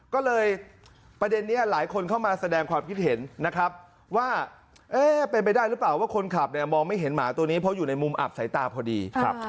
ก็เลยประเด็นนี้หลายคนเข้ามาแสดงความคิดเห็นนะครับว่าเป็นไปได้หรือเปล่าว่าคนขับเนี่ยมองไม่เห็นหมาตัวนี้เพราะอยู่ในมุมอับสายตาพอดี